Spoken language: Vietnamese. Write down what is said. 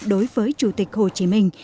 đối với chủ tịch hồ chí minh